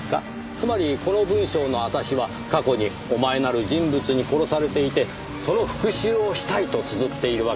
つまりこの文章の「あたし」は過去に「おまえ」なる人物に殺されていてその復讐をしたいとつづっているわけですよ。